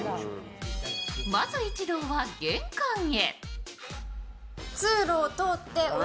まず一同は玄関へ。